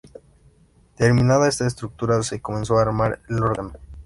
Terminada esta estructura se comenzó a armar el órgano.